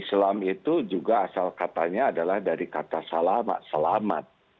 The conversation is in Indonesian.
islam itu juga asal katanya adalah dari kata salamat selamat